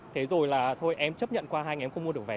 thế rồi là thôi em chấp nhận qua hai ngày em không mua được vé